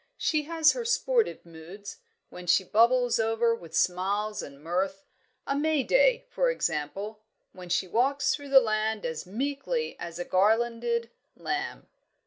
She has her sportive moods, when she bubbles over with smiles and mirth a May day, for example when she walks through the land as meekly as a garlanded lamb."